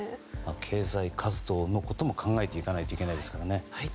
経済活動のことも考えていかないといけないですからね。